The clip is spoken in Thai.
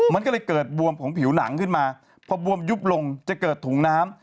มันก็เลยเกิดบวมของผิวหนังขึ้นมาพอบวมยุบลงจะเกิดถุงน้ำ